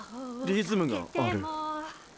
リズムがある。